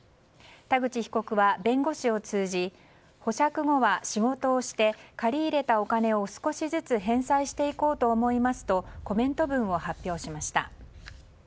田口被告は弁護士を通じ保釈後は仕事をして借り入れたお金を少しずつ返済していこうと思いますとコメント文を発表しました。